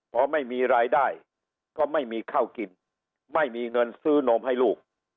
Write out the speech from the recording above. พอไม่มีรายได้ก็ไม่มีข้าวกินไม่มีเงินซื้อนมให้ลูก